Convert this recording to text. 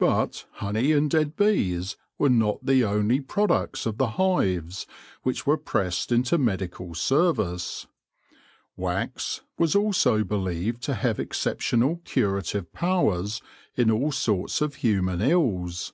But honey and dead bees were not the only pro ducts of the hives which were pressed into medical service. Wax also was believed to have exceptional curative powers in all sorts of human ills.